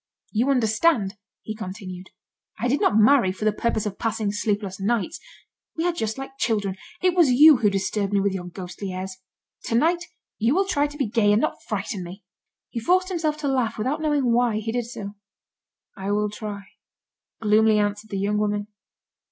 "You understand," he continued. "I did not marry for the purpose of passing sleepless nights. We are just like children. It was you who disturbed me with your ghostly airs. To night you will try to be gay, and not frighten me." He forced himself to laugh without knowing why he did so. "I will try," gloomily answered the young woman.